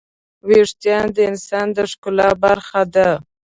وېښتيان د انسان د ښکلا برخه ده.